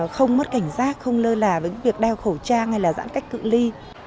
không mất cảnh giác không lơ là với việc đeo khẩu trang hay là giãn cách cự li